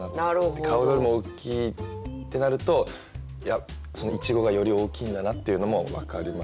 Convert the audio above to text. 顔よりも大きいってなるといちごがより大きいんだなっていうのも分かりますし。